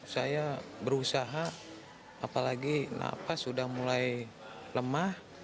saya berusaha apalagi nafas sudah mulai lemah